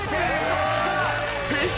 正解！